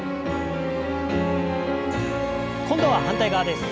今度は反対側です。